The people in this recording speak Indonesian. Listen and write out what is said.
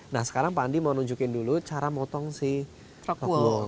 nah sekarang pak andi mau nunjukin dulu cara potong si rock wool